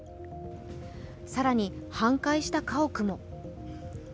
更に、半壊した家屋も。